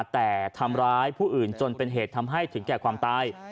แต่ทำร้ายผู้อื่นจนเป็นเหตุทำให้ถึงแก่ความตาย